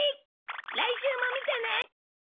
来週も見てね！